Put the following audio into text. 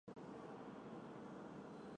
中国植物学家。